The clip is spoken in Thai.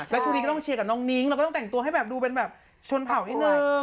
แล้วช่วงนี้ก็ต้องเชียร์กับน้องนิ้งเราก็ต้องแต่งตัวให้แบบดูเป็นแบบชนเผานิดนึง